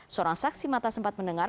seorang saksi mata sempat mendengar